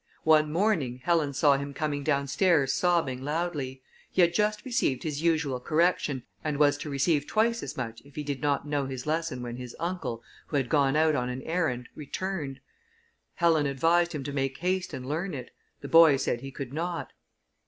One morning, Helen saw him coming down stairs sobbing loudly; he had just received his usual correction, and was to receive twice as much if he did not know his lesson when his uncle, who had gone out on an errand, returned. Helen advised him to make haste and learn it; the boy said he could not.